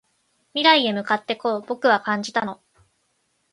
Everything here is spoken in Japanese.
未来へ向かってこう僕は感じたの